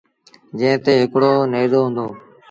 جݩهݩ تي هڪڙو نيزو هُݩدو۔